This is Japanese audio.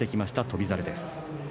翔猿です。